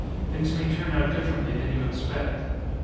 Things may turn out differently than you expect."